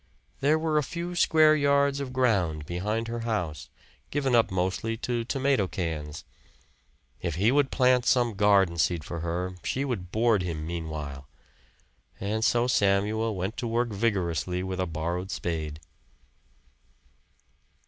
There were a few square yards of ground behind her house, given up mostly to tomato cans. If he would plant some garden seed for her she would board him meanwhile. And so Samuel went to work vigorously with a borrowed spade.